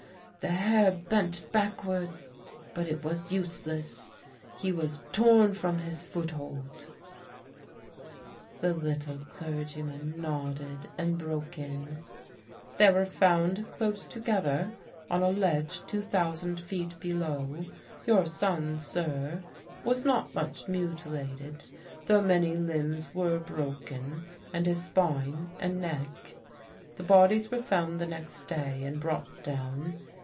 The Herr bent backward, but it was useless: he was torn from his foothold " The little clergyman nodded and broke in: "They were found, close together, on a ledge two thousand feet below. Your son, sir, was not much mutilated, though many limbs were broken and his spine and neck. The bodies were found the next day and brought down.